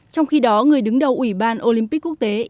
trong khi đó người đứng đầu ủy ban olympic quốc tế